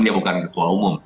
dia bukan ketua umum